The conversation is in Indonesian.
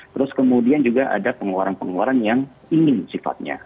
terus kemudian juga ada pengeluaran pengeluaran yang ingin sifatnya